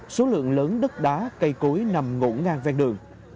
số lượng lớn đất đá cây cối nằm ngủ ngang ven đường